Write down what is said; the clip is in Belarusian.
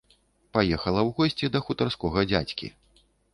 Паехала ў госці да хутарскога дзядзькі.